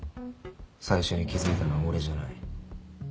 最初に気付いたのは俺じゃない。